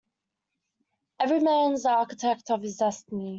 Every man is the architect of his destiny.